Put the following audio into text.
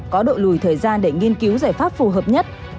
có độ lùi thời gian để nghiên cứu giải pháp phù hợp nhất